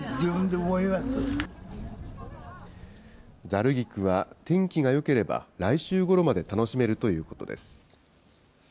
ざる菊は、天気がよければ、来週ごろまで楽しめるということです。